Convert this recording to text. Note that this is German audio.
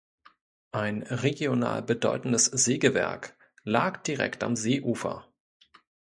Ein regional bedeutendes Sägewerk lag direkt am Seeufer.